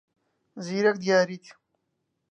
زیرەک دیاریت.